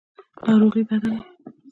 ناروغي بده ده.